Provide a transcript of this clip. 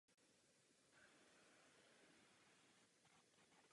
To bude pro nás, poslance, obrovská výzva.